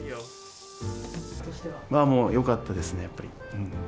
もうよかったですね、やっぱり。